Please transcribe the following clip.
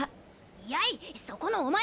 やいそこのお前！